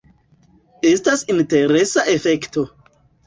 Estas interesa efekto.